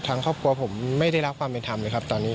ทางครอบครัวผมไม่ได้รับความเป็นธรรมเลยครับตอนนี้